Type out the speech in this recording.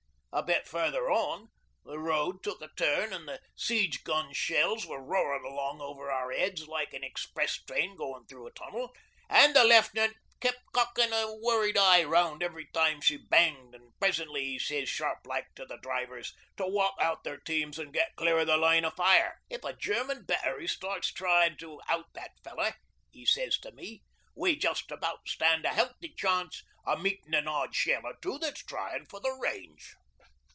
A bit further on, the road took a turn an' the siege gun's shells were roarin' along over our heads like an express train goin' through a tunnel; an' the Left'nant kept cockin' a worried eye round every time she banged an' presently 'e sez sharp like to the drivers to walk out their teams and get clear of the line of fire. '"If a German battery starts trying to out that feller," he sez to me, "we just about stand a healthy chance of meetin' an odd shell or two that's tryin' for the range."